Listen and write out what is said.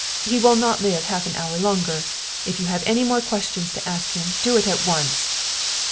He will not live half an hour longer. If you have any more questions to ask him, do it at once."